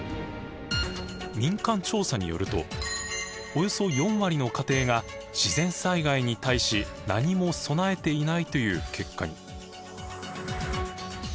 民間調査によるとおよそ４割の家庭が自然災害に対し何も備えていないという結果に。